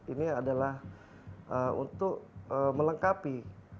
ini adalah untuk melengkapi